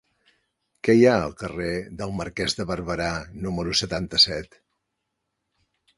Què hi ha al carrer del Marquès de Barberà número setanta-set?